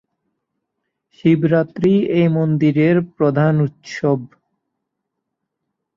শিবরাত্রি এই মন্দিরের প্রধান উৎসব।